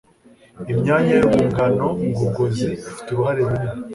Imyanya yurwungano ngogozi ifite uruhare runini